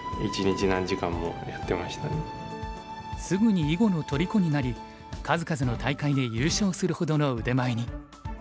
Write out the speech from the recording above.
すぐに囲碁のとりこになり数々の大会で優勝するほどの腕前に。